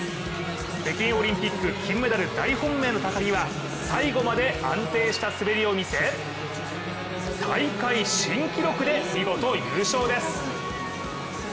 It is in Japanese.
北京オリンピック金メダル大本命の高木は最後まで安定した滑りを見せ大会新記録で、見事、優勝です。